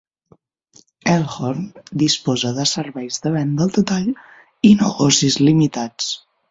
Elkhorn disposa de serveis de venda al detall i negocis limitats.